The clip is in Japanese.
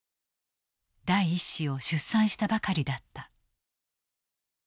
第一子を出産したばかりだった。